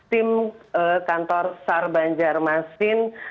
tim kantor sar banjarmasin